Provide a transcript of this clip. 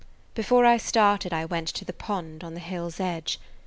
Before I started I went to the pond on the hill's edge.